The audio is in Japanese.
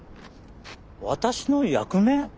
私の役目？